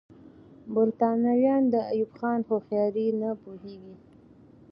برتانويان د ایوب خان هوښیاري نه پوهېږي.